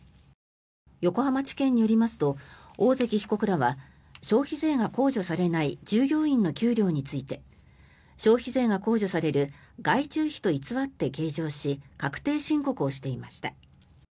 横浜地検によりますと大関被告らは消費税が控除されない従業員の給料について消費税が控除される外注費と偽って計上し確定申告をしていました。